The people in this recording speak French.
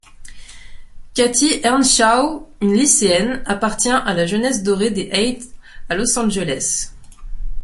Cathy Earnshaw, une lycėenne, appartient à la jeunesse dorée des Heights, à Los Angeles.